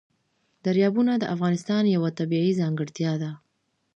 دریابونه د افغانستان یوه طبیعي ځانګړتیا ده.